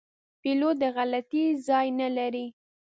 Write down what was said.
پیلوټ د غلطي ځای نه لري.